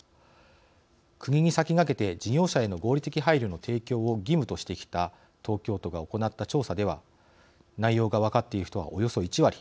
国に先駆けて事業者への合理的配慮の提供を義務としてきた東京都が行った調査では内容が分かっている人はおよそ１割。